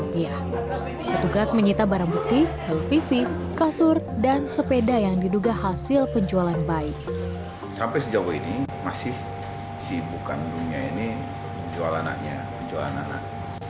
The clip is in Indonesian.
petugas menyita barang bukti televisi kasur dan sepeda yang diduga hasil penjualan bayi